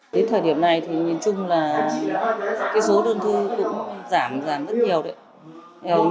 đến thời điểm này thì nhìn chung là số đơn thư cũng giảm rất nhiều đấy